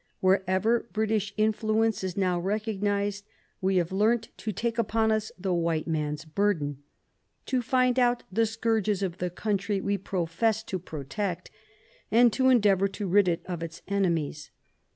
Wherever British influence is now recognised we have learnt to take upon us the white man's burden, to find out the scourges of the country we profess to protect, and to endeavour to rid it of its enemies.